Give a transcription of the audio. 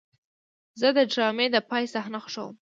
زه د ډرامې د پای صحنه خوښوم.